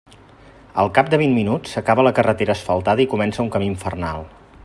Al cap de vint minuts s'acaba la carretera asfaltada i comença un camí infernal.